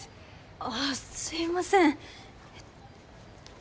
あっすいません。